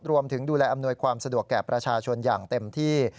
รวมถึงดูแลอำนวยความสะดวกแก่ประชาชนอย่างเต็มที่